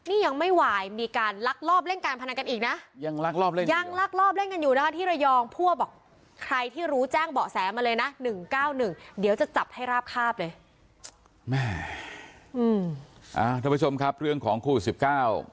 อืมอ่าท่านผู้ชมครับเรื่องของคู่สิบเก้า